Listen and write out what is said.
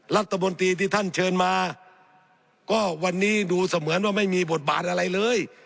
รัฐมนตรีที่ท่านเชิญมาก็วันนี้ดูเสมือนว่าไม่มีบทบาทอะไรเลย